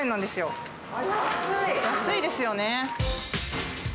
安いですよね。